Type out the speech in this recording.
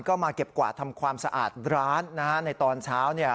ก็มาเก็บกวาดทำความสะอาดร้านในตอนเช้า